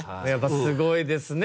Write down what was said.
すごいですね。